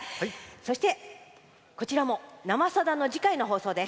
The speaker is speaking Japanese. そして、こちらも「生さだ」の次回の放送です。